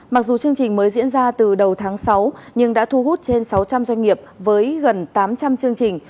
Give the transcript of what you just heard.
mặc dù chương trình mới diễn ra từ đầu tháng sáu nhưng đã thu hút trên sáu trăm linh doanh nghiệp với gần tám trăm linh chương trình